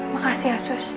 makasih ya sus